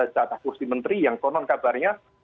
jatah kursi menteri yang konon kabarnya